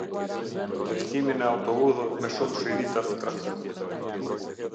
Drejtimi në autoudhë me shumë shirita të trafikut.